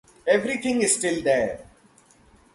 Everything is still there.